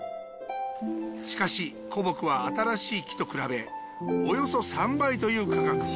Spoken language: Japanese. しかし古木は新しい木と比べおよそ３倍という価格。